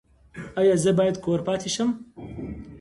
ایا زه باید کور پاتې شم؟